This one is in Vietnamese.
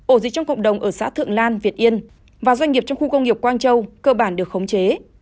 ổ dịch trong cộng đồng ở xã thượng lan việt yên và doanh nghiệp trong khu công nghiệp quang châu cơ bản được khống chế